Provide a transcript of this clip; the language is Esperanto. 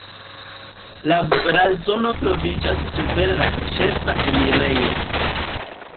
La blazono troviĝas super la ĉefa enirejo.